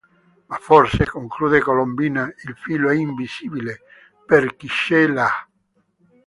Ma forse, conclude Colombina, il filo è invisibile per chi ce l'ha.